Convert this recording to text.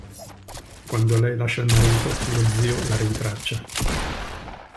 Quando lei lascia il marito, lo zio la rintraccia.